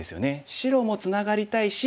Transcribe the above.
白もツナがりたいし